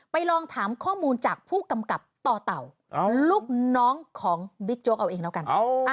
ลองถามข้อมูลจากผู้กำกับต่อเต่าลูกน้องของบิ๊กโจ๊กเอาเองแล้วกัน